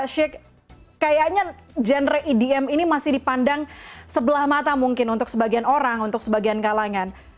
syek kayaknya genre edm ini masih dipandang sebelah mata mungkin untuk sebagian orang untuk sebagian kalangan